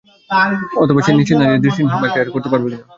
অথবা সে নিশ্চিত না যে দৃষ্টিহীন সিম্বা এটা পার করতে পারবে কি না।